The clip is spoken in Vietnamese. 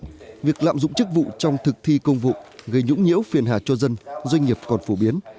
tuy nhiên việc lạm dụng chức vụ trong thực thi công vụ gây nhũng nhiễu phiền hạ cho dân doanh nghiệp còn phổ biến